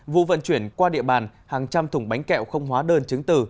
vụ vận chuyển qua địa bàn hàng trăm thùng bánh kẹo không hóa đơn chứng từ